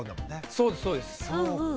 そうですそうです。